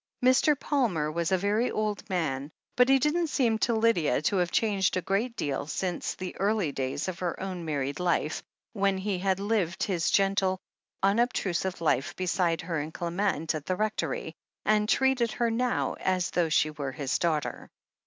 Mr. Palmer was a very old man, but he did not seem to Lydia to have changed a great deal since the early 404 THE HEEL OF ACHILLES days of her own married life, when he had lived his gentle, unobtrusive life beside her and Clement at the Rectory, and treated her now as though she were his daughter.